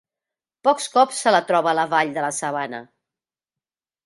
Pocs cops se la troba a la vall de la sabana.